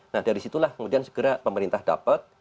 nah dari situlah kemudian segera pemerintah dapat